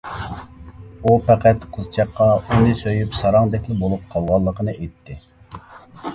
ئۇ پەقەت قىزچاققا ئۇنى سۆيۈپ ساراڭدەكلا بولۇپ قالغانلىقىنى ئېيتتى.